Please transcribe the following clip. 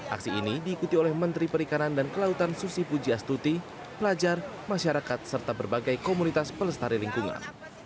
aksi ini diikuti oleh menteri perikanan dan kelautan susi pujiastuti pelajar masyarakat serta berbagai komunitas pelestari lingkungan